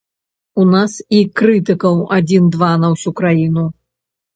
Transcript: У нас і крытыкаў адзін-два на ўсю краіну.